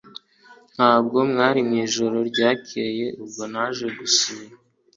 Ntabwo mwari mwijoro ryakeye ubwo naje gusura.